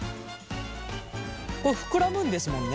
これ膨らむんですもんね。